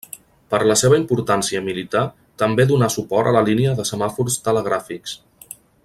Per la seva importància militar, també donà suport a la línia de semàfors telegràfics.